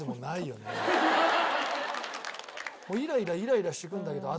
イライライライラしてくるんだけど当てた時は。